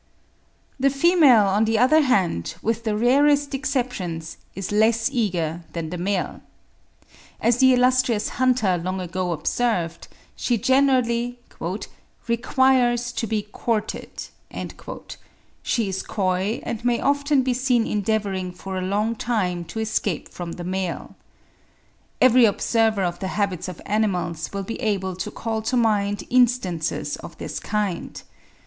The female, on the other hand, with the rarest exceptions, is less eager than the male. As the illustrious Hunter (20. 'Essays and Observations,' edited by Owen, vol. i. 1861, p. 194.) long ago observed, she generally "requires to be courted;" she is coy, and may often be seen endeavouring for a long time to escape from the male. Every observer of the habits of animals will be able to call to mind instances of this kind.